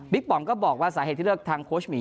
ป๋อมก็บอกว่าสาเหตุที่เลือกทางโค้ชหมี